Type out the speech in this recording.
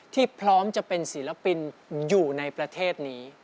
พร้อมจะเป็นศิลปินอยู่ในประเทศนี้